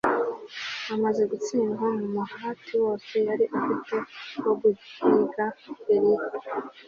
Amaze gutsindwa mu muhati wose yari afite wo guhiga Eliya